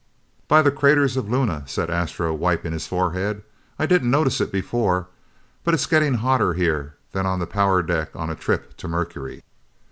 "By the craters of Luna," said Astro, wiping his forehead. "I didn't notice it before, but it's getting hotter here than on the power deck on a trip to Mercury!"